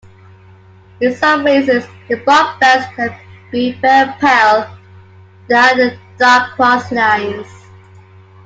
In some races the buff bands can be very pale. There are dark crosslines.